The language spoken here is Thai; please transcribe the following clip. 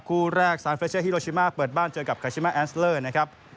คู่แรกซานเฟชเช่ฮิโลชิมาเปิดบ้านเจอกับกาชิมาแอสเลอร์นะครับ